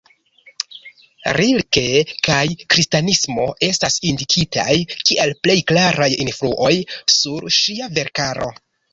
Rilke kaj kristanismo estas indikitaj kiel plej klaraj influoj sur ŝia verkaro.